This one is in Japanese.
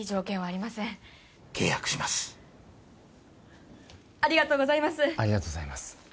ありがとうございますありがとうございます